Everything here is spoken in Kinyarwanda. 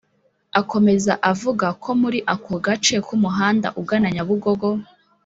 Akomeza avuga ko muri ako gace ku muhanda ugana Nyabugogo